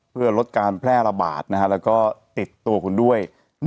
เพื่อลดการแพร่ระบาทนะฮะและก็ติดตัวคนด้วย